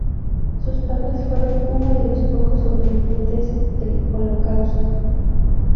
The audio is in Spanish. Sus padres fueron uno de los pocos sobrevivientes del Holocausto.